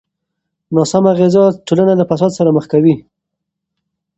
ناسمه غذا ټولنه له فساد سره مخ کوي.